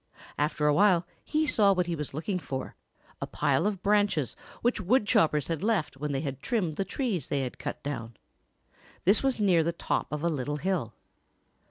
After a while he saw what he was looking for, a pile of branches which woodchoppers had left when they had trimmed the trees they had cut down. This was near the top of a little hill.